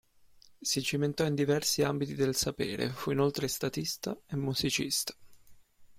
Si cimentò in diversi ambiti del sapere, fu inoltre statista e musicista.